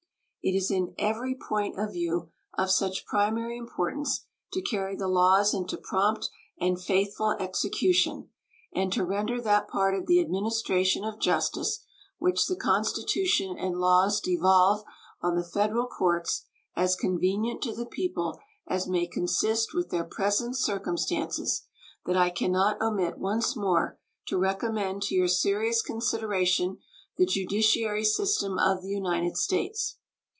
It is in every point of view of such primary importance to carry the laws into prompt and faithful execution, and to render that part of the administration of justice which the Constitution and laws devolve on the Federal courts as convenient to the people as may consist with their present circumstances, that I can not omit once more to recommend to your serious consideration the judiciary system of the United States.